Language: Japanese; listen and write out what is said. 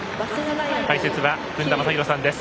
解説は薫田真広さんです。